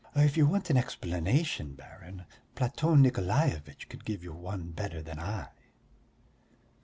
"If you want an explanation, baron, Platon Nikolaevitch could give you one better than I."